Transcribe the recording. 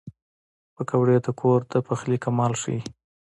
پکورې د کور د پخلي کمال ښيي